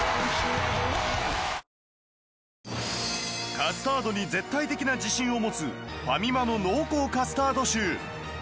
カスタードに絶対的な自信を持つファミマの濃厚カスタードシュー